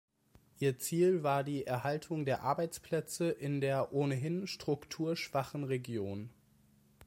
Ihr Ziel war die Erhaltung der Arbeitsplätze, in der ohnehin strukturschwachen Region.